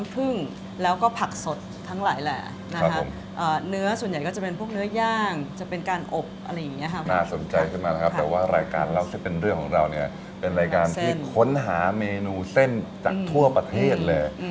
เป็นเรื่องของเราเป็นรายการที่ค้นหาเมนูเส้นจากทั่วประเทศเลย